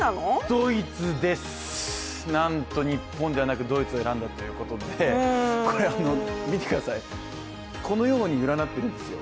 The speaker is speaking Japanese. ドイツです、なんと日本ではなくドイツを選んだということで見てください、このように占ってるんですよ。